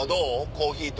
コーヒーと。